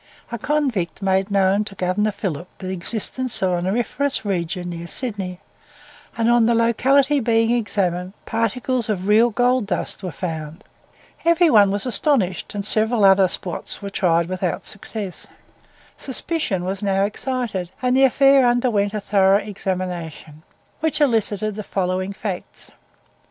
A convict made known to Governor Phillip the existence of an auriferous region near Sydney, and on the locality being examined, particles of real gold dust were found. Every one was astonished, and several other spots were tried without success. Suspicion was now excited, and the affair underwent a thorough examination, which elicited the following facts.